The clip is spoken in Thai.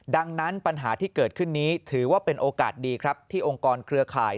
ดังนั้นปัญหาที่เกิดขึ้นนี้ถือว่าเป็นโอกาสดีครับที่องค์กรเครือข่าย